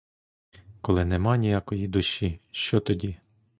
Коли нема ніякої душі, що тоді?